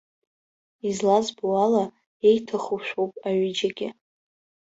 Излазбо ала, иеиҭахо шәоуп аҩыџьагьы.